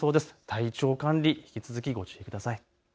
体調管理、引き続きご注意ください。